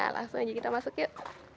langsung aja kita masuk yuk